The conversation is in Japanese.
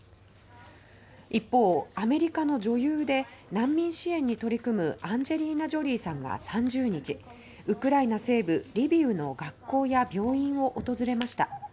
一方、アメリカの女優で難民支援に取り組むアンジェリーナ・ジョリーさんが３０日ウクライナ西部、リビウの学校や病院を訪れました。